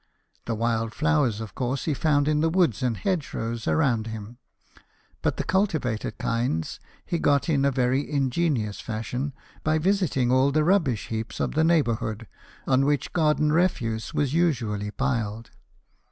The wild flowers, of course, he found in the woods and hedgerows around him ; but the cultivated kinds he got in a very ingenious fashion, by visiting all the rubbish heaps of the neighbourhood, on which garden refuse was usually piled.